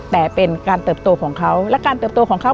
แต่เป็นการเติบโตของเขา